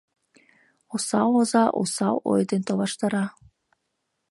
Осал оза осал ой ден толаштара.